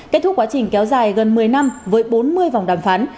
kết thúc quá trình kéo dài gần một mươi năm với bốn mươi vòng đàm phán